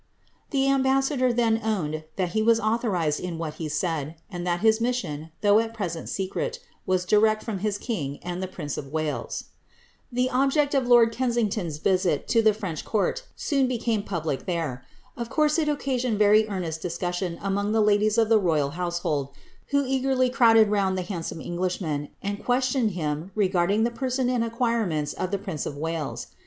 ' The ambassador then owned that he was authorized in what he said ; and that his mission, though at present secret, was direct from his king and the prince of Wales. The object of lord Kensington^s visit to the French court soon be came public there. Of course it occasioned very earnest discussion among the ladies of the royal household, who eagerly crowded round the handsome Englishman, and questioned him regarding the person and acquirements of the prince of Wales.